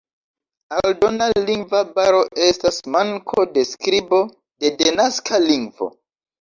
Aldona lingva baro estas manko de skribo de denaska lingvo.